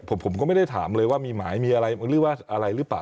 ผมก็ไม่ได้ถามเลยว่ามีหมายมีอะไรหรือเปล่า